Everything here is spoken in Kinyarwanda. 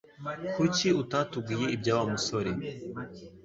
Kuki utatubwiye ibya Wa musore